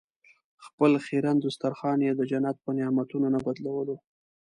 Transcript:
خپل خیرن دسترخوان یې د جنت په نعمتونو نه بدلولو.